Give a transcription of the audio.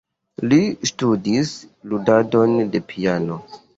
Li ŝtudis ludadon de piano.